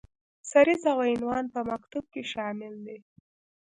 سریزه او عنوان په مکتوب کې شامل دي.